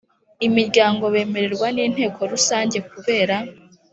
Imiryango bemerwa n inteko Rusange kubera